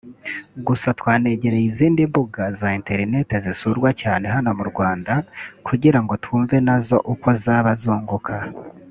Gusa twanegereye izindi mbuga za internet zisurwa cyane hano mu Rwanda kugirango twumwe nazo uko zaba zunguka